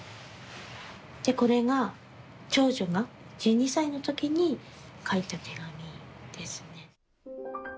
これが長女が１２歳の時に書いた手紙ですね。